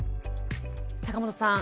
坂本さん